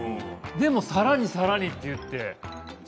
でも、さらにさらにと言って。